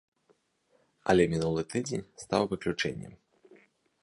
Але мінулы тыдзень стаў выключэннем.